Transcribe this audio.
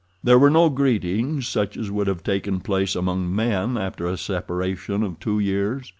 There were no greetings such as would have taken place among men after a separation of two years.